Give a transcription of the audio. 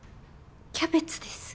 キャベツです。